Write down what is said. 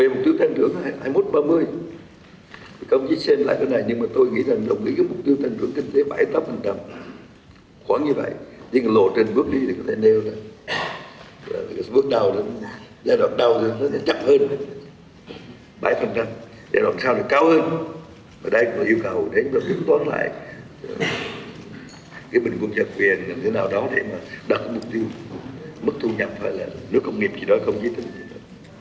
ở đây cũng có yêu cầu để chúng ta tính toán lại cái bình quân trạng quyền làm thế nào đó để mà đặt mục tiêu mức thu nhập phải là nước công nghiệp gì đó không giới tính gì đó